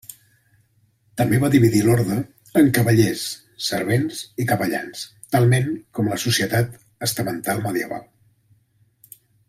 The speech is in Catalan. També va dividir l'orde en cavallers, servents i capellans, talment com la societat estamental medieval.